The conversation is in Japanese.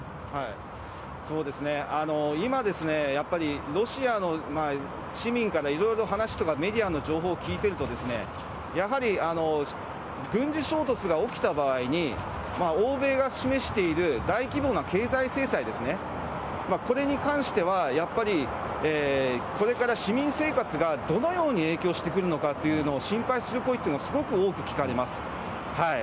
今、やっぱりロシアの市民からいろいろ話とか、メディアの情報聞いているとですね、やはり軍事衝突が起きた場合に、欧米が示している大規模な経済制裁ですね、これに関しては、やっぱりこれから市民生活がどのように影響してくるのかっていうのを心配する声っていうのはすごく多く聞かれます。